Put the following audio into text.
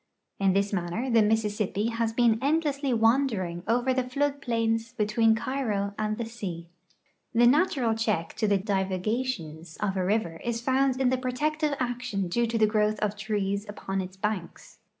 In this manner the Missis.sipj)i has been endlessly wandering over the flood plains between Cairo and the sea. The natural check to the divagations of a river is found in the protective action due to the growth of trees upon its banks.